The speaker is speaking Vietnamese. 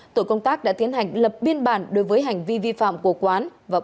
tổ công tác đã tiến hành lập biên bản đối với hành vi vi phạm của quán